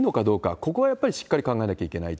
ここはやっぱりしっかり考えなきゃいけないと。